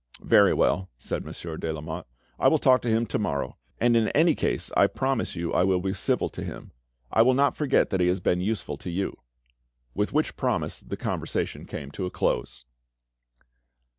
"Very well," said Monsieur de Lamotte, "I will talk to him to morrow, and in any case I promise you I will be civil to him. I will not forget that he has been useful to you." With which promise the conversation came to a close.